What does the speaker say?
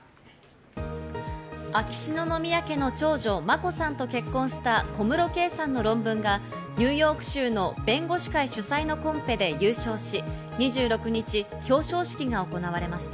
秋篠宮家の長女・眞子さんと結婚した小室圭さんの論文がニューヨーク州の弁護士会主催のコンペで優勝し、２６日、表彰式が行われました。